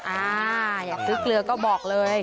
อ่าอยากซื้อเกลือก็บอกเลย